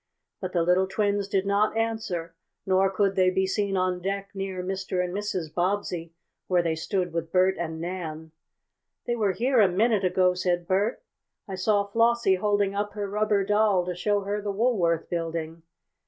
But the little twins did not answer, nor could they be seen on deck near Mr. and Mrs. Bobbsey where they stood with Bert and Nan. "They were here a minute ago," said Bert. "I saw Flossie holding up her rubber doll to show her the Woolworth Building."